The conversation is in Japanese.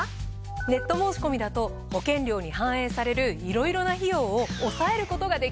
ネット申し込みだと保険料に反映されるいろいろな費用を抑えることができるからなんです。